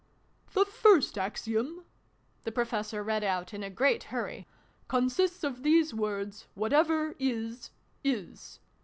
" The First Axiom," the Professor read out in a great hurry, " consists of these words, ' Whatever is, is.'